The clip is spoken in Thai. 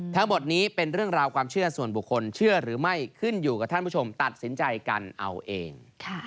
ทั้งหมดนี้เป็นเรื่องราวความเชื่อส่วนบุคคลเชื่อหรือไม่ขึ้นอยู่กับท่านผู้ชมตัดสินใจกันเอาเอง